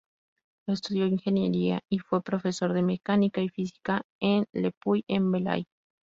Estudió ingeniería y fue profesor de Mecánica y Física en Le Puy-en-Velay.